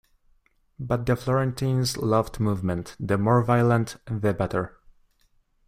But the Florentines loved movement, the more violent the better.